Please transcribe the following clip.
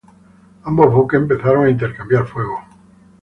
Ambos buques empezaron a intercambiar fuego.